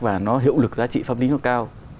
và nó hiệu lực giá trị pháp lý nó cao